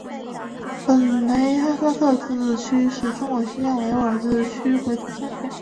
木垒哈萨克自治县是中国新疆维吾尔自治区昌吉回族自治州东部所辖的一个自治县。